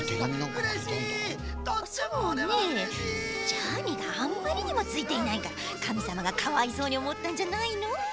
ジャーニーがあんまりにもついていないからかみさまがかわいそうにおもったんじゃないの？